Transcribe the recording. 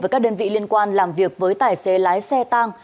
với các đơn vị liên quan làm việc với tài xế lái xe tang